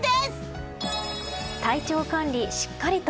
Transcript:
体調管理、しっかりと。